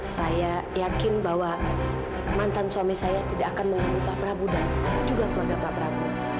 saya yakin bahwa mantan suami saya tidak akan mengganggu pak prabowo dan juga keluarga pak prabowo